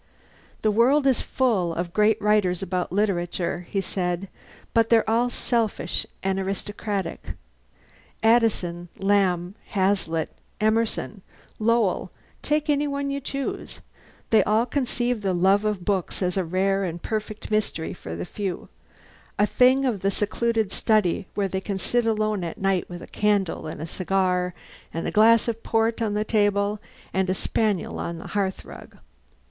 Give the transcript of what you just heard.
"The world is full of great writers about literature," he said, "but they're all selfish and aristocratic. Addison, Lamb, Hazlitt, Emerson, Lowell take any one you choose they all conceive the love of books as a rare and perfect mystery for the few a thing of the secluded study where they can sit alone at night with a candle, and a cigar, and a glass of port on the table and a spaniel on the hearthrug.